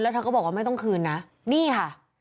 เธอก็บอกว่าไม่ต้องคืนนะนี่ค่ะ